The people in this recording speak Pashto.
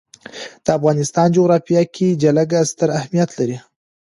د افغانستان جغرافیه کې جلګه ستر اهمیت لري.